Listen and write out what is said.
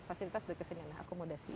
fasilitas berkesenian akomodasi